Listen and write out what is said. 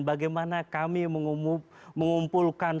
bagaimana kami mengumpulkan